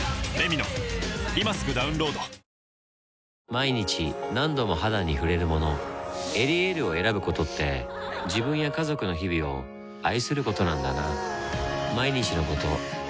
毎日何度も肌に触れるもの「エリエール」を選ぶことって自分や家族の日々を愛することなんだなぁ